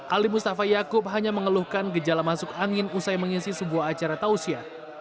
ali mustafa yaakub hanya mengeluhkan gejala masuk angin usai mengisi sebuah acara tausia